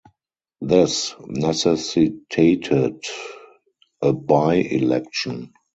This necessitated a by-election.